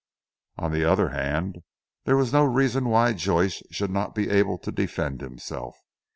On the other hand there was no reason why Joyce should not be able to defend himself.